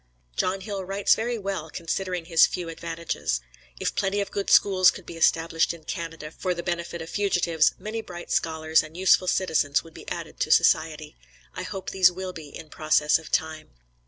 John Hill writes very well, considering his few advantages. If plenty of good schools could be established in Canada for the benefit of fugitives, many bright scholars and useful citizens would be added to society. I hope these will be in process of time.